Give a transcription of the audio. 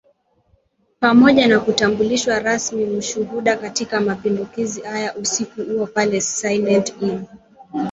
Pamoja na kutambulishwa rasmi mashuhuda katika mapinduzi haya usiku huo pale Silent Inn